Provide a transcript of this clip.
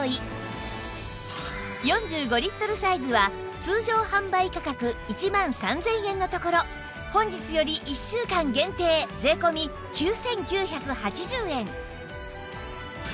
４５リットルサイズは通常販売価格１万３０００円のところ本日より１週間限定税込９９８０円